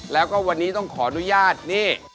แล้วก็วันนี้ต้องขออนุญาตนี่